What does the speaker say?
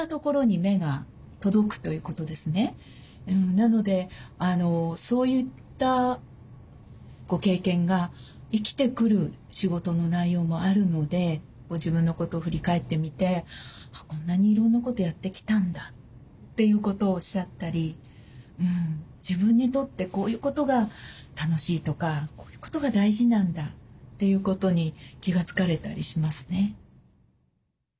なのでそういったご経験が生きてくる仕事の内容もあるのでご自分のことを振り返ってみてこんなにいろんなことやってきたんだということをおっしゃったり自分にとってこういうことが楽しいとかこういうことが大事なんだということに気が付かれたりしますね。